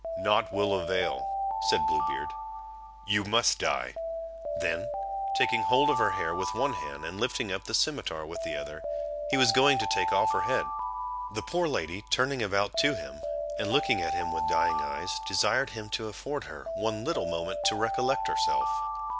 "Nought will avail," said Blue Beard, "you must die"; then, taking hold of her hair with one hand, and lifting up his scimitar with the other, he was going to take off her head. The poor lady turning about to him, and looking at him with dying eyes, desired him to afford her one little moment to recollect herself.